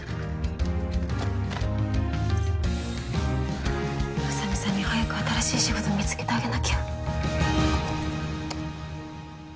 はぁ宇佐美さんに早く新しい仕事見つけてあげなきゃ。